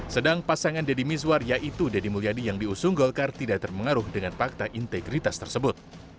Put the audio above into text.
sedang pasangan deddy mizwar yaitu deddy mulyadi yang diusung golkar tidak terpengaruh dengan fakta integritas tersebut